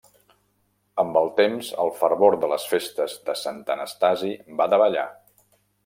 Amb el temps el fervor de les festes de Sant Anastasi va davallar.